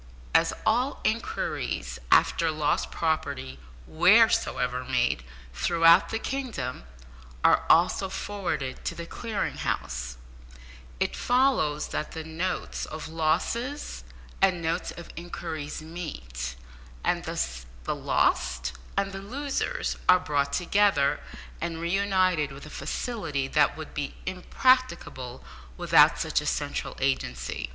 As all inquiries after lost property, wheresoever made throughout the kingdom, are also forwarded to the Clearing House, it follows that the notes of losses and notes of inquiries meet, and thus the lost and the losers are brought together and re united with a facility that would be impracticable without such a central agency.